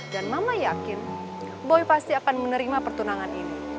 dan mama yakin boy pasti akan menerima pertunangan ini